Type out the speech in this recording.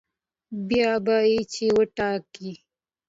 بيا به يې چې وټاکلې